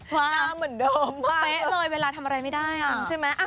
ว่าน่าเหมือนเดิมไปเลยเวลาทำอะไรไม่ได้อ่ะใช่ไหม